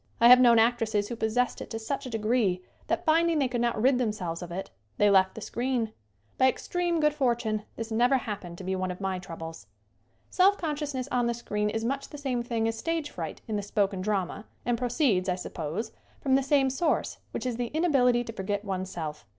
I have known actresses who possessed it to such a degree that, finding they could not rid themselves of it, they left the screen. By extreme good for tune this never happened to be one of my trou bles. Self consciousness on the screen is much the same thing as stage fright in the spoken drama and proceeds, I suppose, from the same source, which is the inability to forget one's self.